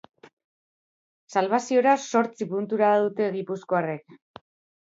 Salbazioa zortzi puntura dute gipuzkoarrek.